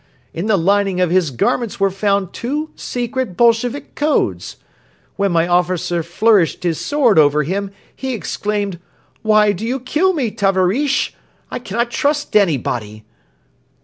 In the lining of his garments were found two secret Bolshevik codes. ... When my officer flourished his sword over him, he exclaimed: 'Why do you kill me, Tavarische?' I cannot trust anybody.